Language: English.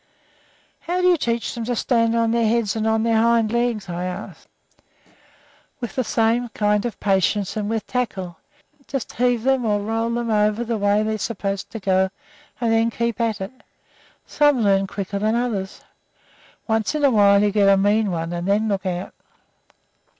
"How do you teach them to stand on their heads and on their hind legs?" I asked. "With the same kind of patience and with tackle. Just heave 'em up or roll 'em over the way they're supposed to go and then keep at it. Some learn quicker than others. Once in a while you get a mean one, and then look out."